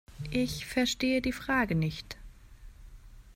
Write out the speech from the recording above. Ich verstehe die Frage nicht.